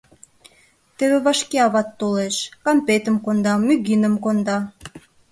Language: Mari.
Теве вашке ават толеш, кампетым конда, мӱгиным конда.